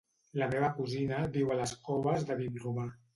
La meva cosina viu a les Coves de Vinromà.